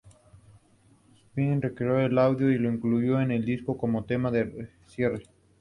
Spinetta recuperó el audio y lo incluyó en el disco como tema de cierre.